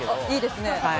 いいですね。